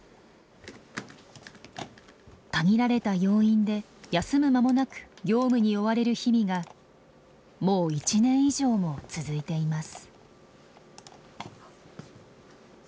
限られた要員で休む間もなく業務に追われる日々がもう１年以上も続いています。